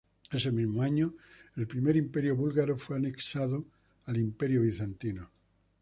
Ese mismo año el Primer Imperio búlgaro fue anexado al Imperio bizantino.